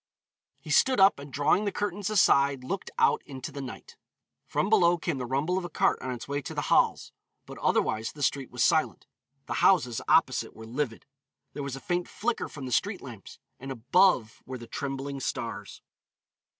He stood up, and drawing the curtains aside, looked out into the night. From below came the rumble of a cart on its way to the Halles, but otherwise the street was silent. The houses opposite were livid. There was a faint flicker from the street lamps, and above were the trembling stars.